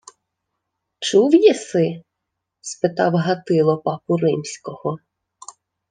— Чув єси? — спитав Гатило папу римського.